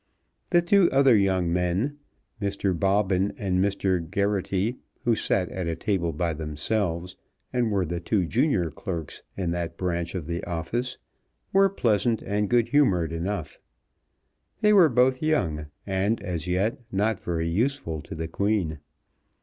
The two other young men, Mr. Bobbin and Mr. Geraghty, who sat at a table by themselves and were the two junior clerks in that branch of the office, were pleasant and good humoured enough. They were both young, and as yet not very useful to the Queen.